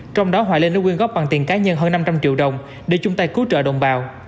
trong đó hoài linh đã quyên góp bằng tiền cá nhân hơn năm trăm linh triệu đồng để chung tay cứu trợ đồng bào